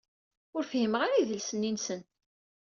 Ur fhimeɣ ara idles-nni-nsen.